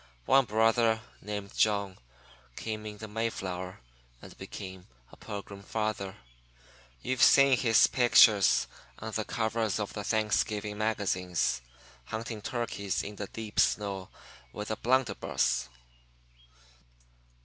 One brother, named John, came in the Mayflower and became a Pilgrim Father. You've seen his picture on the covers of the Thanksgiving magazines, hunting turkeys in the deep snow with a blunderbuss.